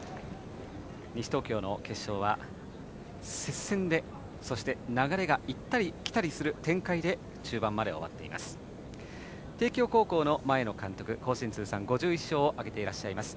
西東京の決勝は接戦で、そして流れが行ったり来たりする展開で中盤まで終わっています。